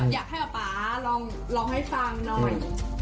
อยากให้พ่อป๊าร้องให้ฟังหน่อย